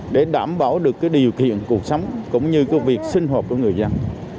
để đảm bảo được điều kiện cuộc sống cũng như việc sinh hợp của người dân